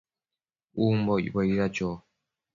umbo icbuedida cho?